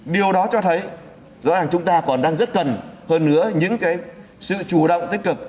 điều đó cho thấy rõ ràng chúng ta còn đang rất cần hơn nữa những sự chủ động tích cực